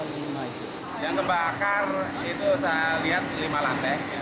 yang kebakar itu saya lihat lima lantai